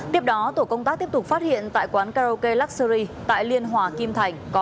tiếp đó tổ công tác tiếp tục phát hiện tại quán karaoke luxury tại liên hòa kim thành